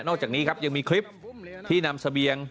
อกจากนี้ครับยังมีคลิปที่นำเสบียง